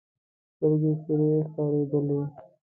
سترګې سرې ښکارېدلې.